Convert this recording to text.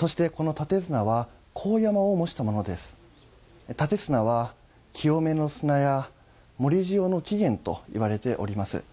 立砂は清めの砂や盛り塩の起源といわれております。